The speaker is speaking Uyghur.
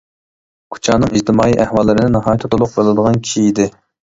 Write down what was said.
كۇچانىڭ ئىجتىمائىي ئەھۋاللىرىنى ناھايىتى تولۇق بىلىدىغان كىشى ئىدى.